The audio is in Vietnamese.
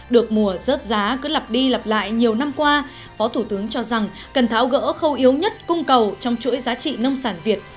được mùa rớt giá cứ lặp đi lặp lại nhiều năm qua phó thủ tướng cho rằng cần tháo gỡ khâu yếu nhất cung cầu trong chuỗi giá trị nông sản việt